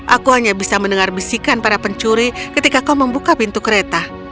aku hanya bisa mendengar bisikan para pencuri ketika kau membuka pintu kereta